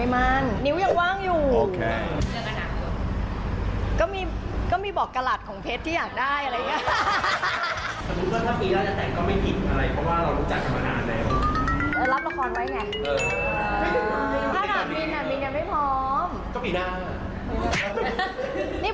มั่นมันเขตใจเรื่องนี้